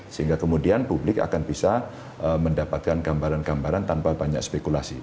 sehingga kemudian publik akan bisa mendapatkan gambaran gambaran tanpa banyak spekulasi